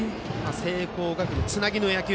聖光学院のつなぎの野球。